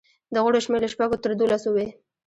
د غړو شمېر له شپږو تر دولسو وي.